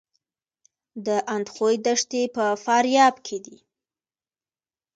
د اندخوی دښتې په فاریاب کې دي